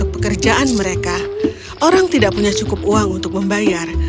pekerjaan mereka orang tidak punya cukup uang untuk membayar